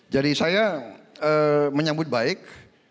jadi saya menyambut baik